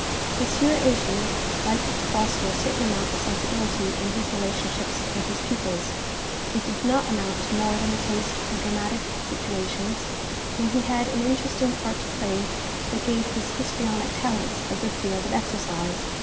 M. Heger liked to foster a certain amount of sensibility in his relationships with his pupils it did not amount to more than a taste for dramatic situations where he had an interesting part to play that gave his histrionic talents a good field of exercise.